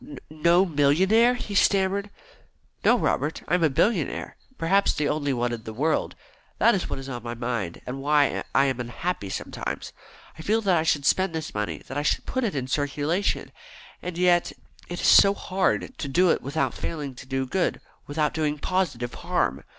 "No millionaire!" he stammered. "No, Robert; I am a billionaire perhaps the only one in the world. That is what is on my mind, and why I am unhappy sometimes. I feel that I should spend this money that I should put it in circulation and yet it is so hard to do it without failing to do good without doing positive harm.